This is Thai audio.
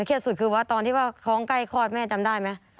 สุดคือว่าตอนที่ว่าท้องใกล้คลอดแม่จำได้ไหม